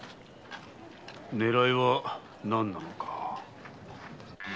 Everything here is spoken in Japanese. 狙いは何なのか。